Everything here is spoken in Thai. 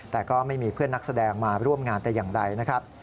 แต่ก็ไม่มีเพื่อนนักแสดงมาร่วมงานแต่อย่างใดนะครับ